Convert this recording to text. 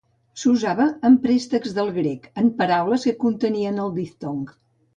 S'usava en préstecs del grec, en paraules que contenien el diftong.